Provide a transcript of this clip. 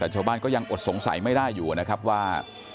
ชาวบ้านก็ยังอดสงสัยไม่ได้อยู่ว่า